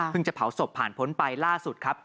จะเผาศพผ่านพ้นไปล่าสุดครับ